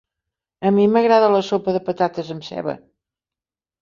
A mi m'agrada la sopa de patates amb ceba.